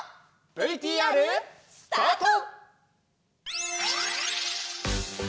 ＶＴＲスタート！